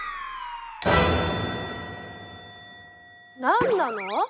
なんなの？